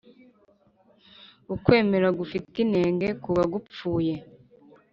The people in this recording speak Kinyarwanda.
ukwemera gufite inenge kuba gupfuye